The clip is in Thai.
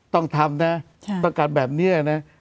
ต้องทำนะประกาศแบบนี้นะ